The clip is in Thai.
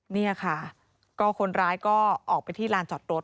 นี่ค่ะก็คนร้ายก็ออกไปที่ลานจอดรถ